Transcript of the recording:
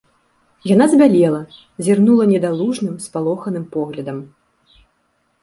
Яна збялела, зірнула недалужным, спалоханым поглядам.